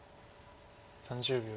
３０秒。